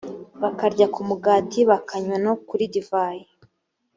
bakarya ku mugati bakanywa no kuri divayi